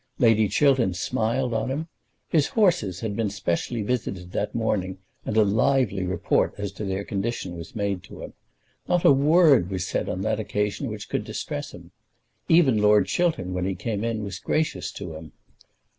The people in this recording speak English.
Lady Chiltern smiled on him. His horses had been specially visited that morning, and a lively report as to their condition was made to him. Not a word was said on that occasion which could distress him. Even Lord Chiltern when he came in was gracious to him.